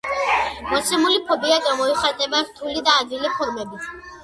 მოცემული ფობია გამოიხატება რთული და ადვილი ფორმებით.